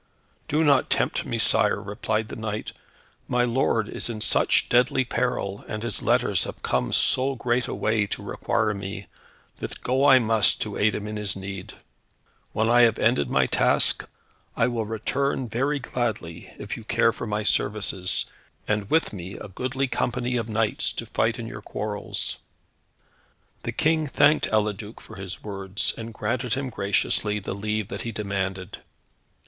"Do not tempt me, sire," replied the knight. "My lord is in such deadly peril, and his letters have come so great a way to require me, that go I must to aid him in his need. When I have ended my task, I will return very gladly, if you care for my services, and with me a goodly company of knights to fight in your quarrels." The King thanked Eliduc for his words, and granted him graciously the leave that he demanded.